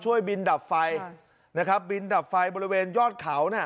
ช่วยบินดับไฟนะครับบินดับไฟบริเวณยอดเขาน่ะ